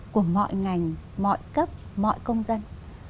của mọi ngành mọi cấp mọi công dân